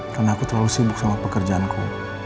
karena aku terlalu sibuk sama pekerjaanku